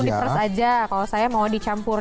diperes aja kalau saya mau dicampur